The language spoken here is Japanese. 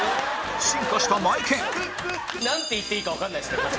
進化したマエケンなんて言っていいかわからないですね。